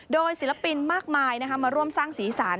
โดยศิลปินมากมายมาร่วมสร้างสีสัน